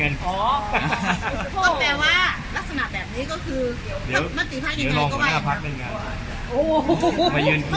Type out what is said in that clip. เหลือลงหน้าพักบ้างกัน